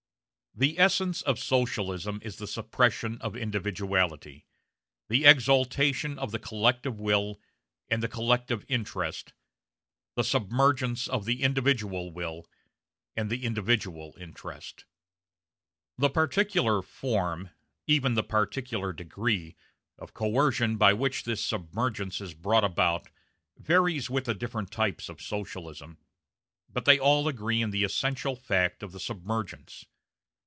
The essence of Socialism is the suppression of individuality, the exaltation of the collective will and the collective interest, the submergence of the individual will and the individual interest. The particular form even the particular degree of coercion by which this submergence is brought about varies with the different types of Socialism; but they all agree in the essential fact of the submergence.